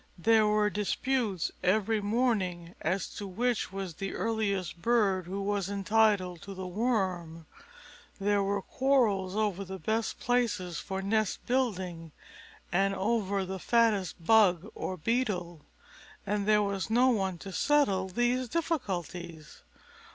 There were disputes every morning as to which was the earliest bird who was entitled to the worm. There were quarrels over the best places for nest building and over the fattest bug or beetle; and there was no one to settle these difficulties.